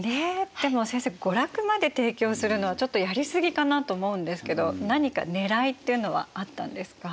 でも先生娯楽まで提供するのはちょっとやりすぎかなと思うんですけど何かねらいっていうのはあったんですか？